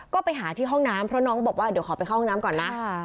ก็ไปหาที่ห้องน้ำเพราะน้องบอกว่าเดี๋ยวขอไปเข้าห้องน้ำก่อนนะ